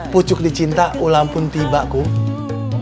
pucuk dicinta ulang pun tiba kok